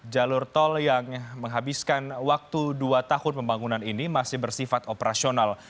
jalur tol yang menghabiskan waktu dua tahun pembangunan ini masih bersifat operasional